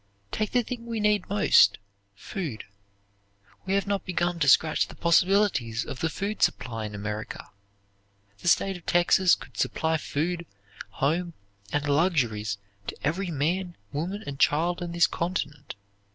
Take the thing we need most food. We have not begun to scratch the possibilities of the food supply in America. The State of Texas could supply food, home, and luxuries to every man, woman, and child on this continent.